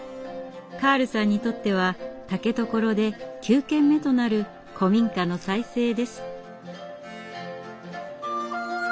カールさんにとっては竹所で９軒目となる古民家の再生です。